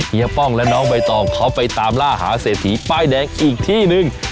เฮีป้องและน้องใบตองเขาไปตามล่าหาเศรษฐีป้ายแดงอีกที่หนึ่ง